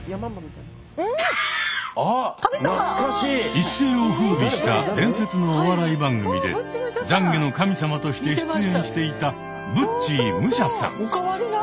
一世をふうびした伝説のお笑い番組で「懺悔の神様」として出演していたブッチー武者さん。